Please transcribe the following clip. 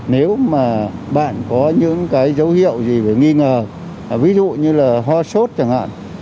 nếu mà bạn có những cái dấu hiệu gì về nghi ngờ ví dụ như là ho sốt chẳng hạn